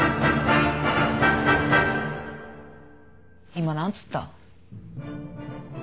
今何つった？